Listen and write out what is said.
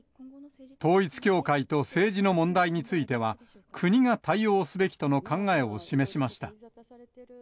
統一教会と政治の問題については、国が対応すべきとの考えを示しました。